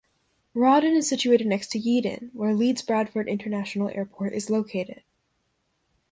Rawdon is situated next to Yeadon, where Leeds Bradford International Airport is located.